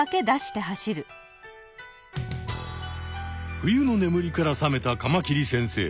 冬のねむりから覚めたカマキリ先生。